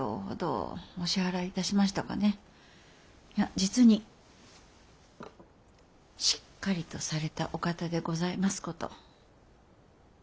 実にしっかりとされたお方でございますこと。